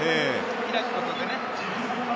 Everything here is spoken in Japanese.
開くことってね。